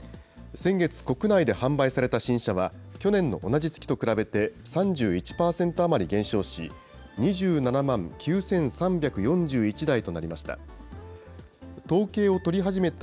先月、国内で販売された新車は、去年の同じ月と比べて３１％余り減少し、２７万９３４１台となりました。